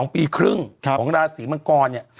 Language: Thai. ๒ปีครึ่งของราศีมังกรเนี่ย